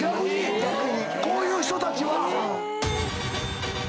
逆に⁉こういう人たちは。